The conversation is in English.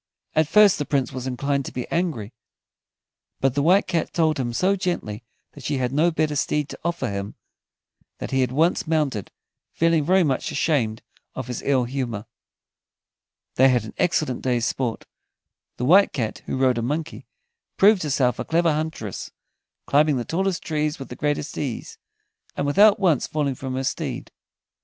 At first the Prince was inclined to be angry, but the White Cat told him so gently that she had no better steed to offer him, that he at once mounted, feeling very much ashamed of his ill humor. They had an excellent day's sport. The White Cat, who rode a monkey, proved herself a clever huntress, climbing the tallest trees with the greatest ease, and without once falling from her steed.